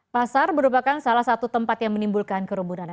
pasar merupakan salah satu tempat yang menimbulkan kerumunan